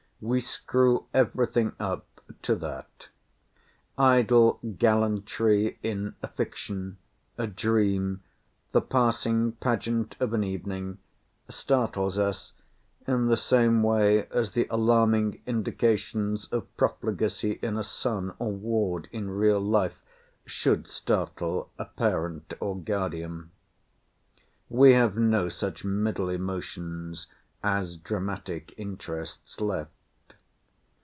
We screw every thing up to that. Idle gallantry in a fiction, a dream, the passing pageant of an evening, startles us in the same way as the alarming indications of profligacy in a son or ward in real life should startle a parent or guardian. We have no such middle emotions as dramatic interests left.